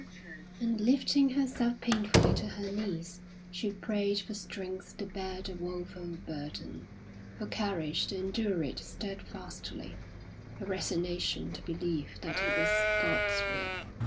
And lifting herself painfully to her knees, she prayed for strength to bear the woeful burden, for courage to endure it steadfastly, for resignation to believe that it was God's will.